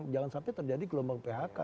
jangan sampai terjadi gelombang phk